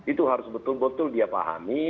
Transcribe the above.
itu harus betul betul dia pahami